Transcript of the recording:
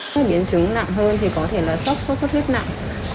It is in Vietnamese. có biến chứng nặng hơn thì có thể là sốt xuất huyết nặng